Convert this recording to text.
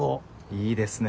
いいですね。